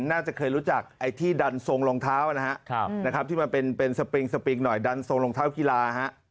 น่าจะเคยรู้จักไอ้ที่ดันทรงรองเท้านะครับที่มันเป็นสปริงสปริงหน่อยดันทรงรองเท้ากีฬาฮะ